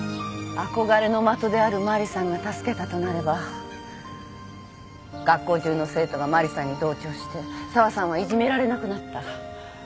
憧れの的であるマリさんが助けたとなれば学校中の生徒がマリさんに同調して沢さんはいじめられなくなった。